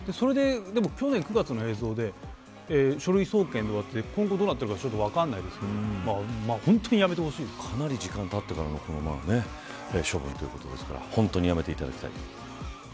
去年９月の映像で書類送検されて今後どうなったのか分からないですけどかなり時間がたってからの処分ということですから本当にやめていただきたい。